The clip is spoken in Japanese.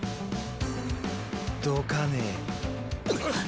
どかねェ。